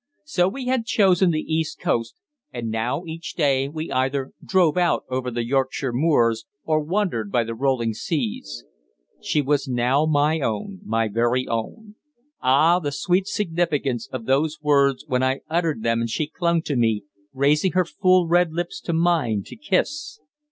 So we had chosen the East Coast, and now each day we either drove out over the Yorkshire moors, or wandered by the rolling seas. She was now my own my very own! Ah! the sweet significance of those words when I uttered them and she clung to me, raising her full red lips to mine to kiss.